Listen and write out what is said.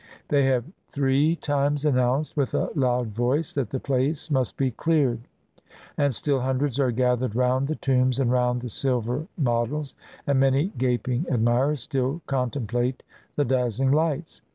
They have three times announced with a loud voice that the place must be cleared; and still hundreds are gathered roimd the tombs and round the silver models, and many gaping admirers still contemplate the dazzling hghts.